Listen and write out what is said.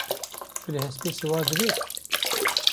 Tu li hespê siwar dibî?